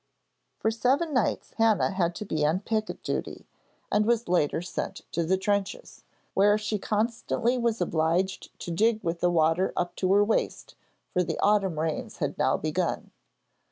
For seven nights Hannah had to be on picket duty, and was later sent to the trenches, where she constantly was obliged to dig with the water up to her waist, for the autumn rains had now begun.